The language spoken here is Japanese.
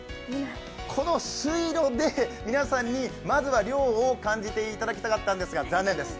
この水路で皆さんにまずは涼を感じていただきたかったんですが残念です